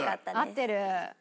合ってる。